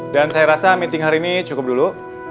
dan saya rasa meeting hari ini cukup dulu